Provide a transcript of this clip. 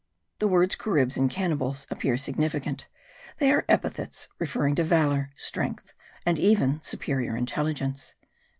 The words Caribs and Cannibals appear significant; they are epithets referring to valour, strength and even superior intelligence.